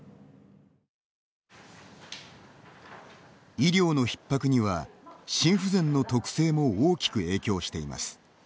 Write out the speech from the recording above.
医療のひっ迫には心不全の特性も大きく影響しています。